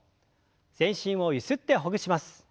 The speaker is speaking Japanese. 全身をゆすってほぐします。